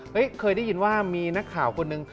เคยได้ยินว่ามีนักข่าวคนหนึ่ง